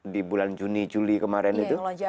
di bulan juni juli kemarin itu